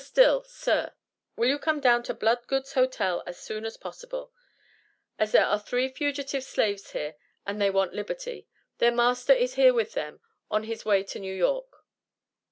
STILL Sir: Will you come down to Bloodgood's Hotel as soon as possible as there are three fugitive slaves here and they want liberty. Their master is here with them, on his way to New York."